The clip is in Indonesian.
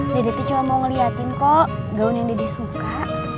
dedet cuma mau ngeliatin kok gaun yang dede suka